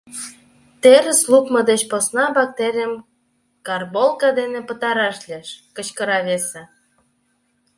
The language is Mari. — Терыс лукмо деч посна бактерийым карболка дене пытараш лиеш, — кычкыра весе...